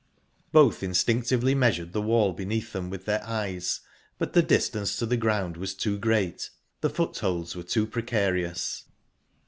Both instinctively measured the wall beneath them with their eyes, but the distance to the ground was too great, the footholds were too precarious.